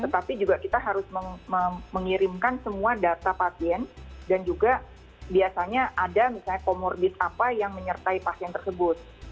tetapi juga kita harus mengirimkan semua data pasien dan juga biasanya ada misalnya comorbid apa yang menyertai pasien tersebut